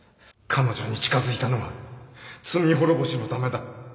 彼女に近づいたのは罪滅ぼしのためだ